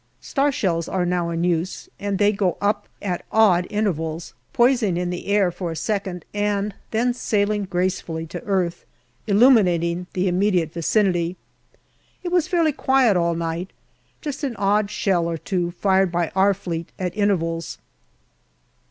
Star shells are now in use, and they go up at odd intervals, poising in the air for a second and then sailing gracefully to earth, illuminating the immediate vicinity. It was fairly quiet all night ; just an odd shell or two fired by our Fleet at intervals.